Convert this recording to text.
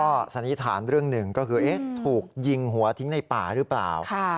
ก็สันนิษฐานเรื่องหนึ่งก็คือถูกยิงหัวทิ้งในป่าหรือเปล่า